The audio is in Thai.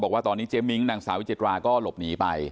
บอกว่าตอนนี้เจ๊มิ้งนางสาววิจิตราก็หลบหนีไป